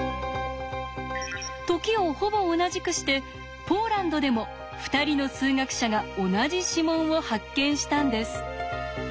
時をほぼ同じくしてポーランドでも２人の数学者が同じ指紋を発見したんです。